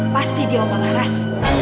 pasti dia omong laras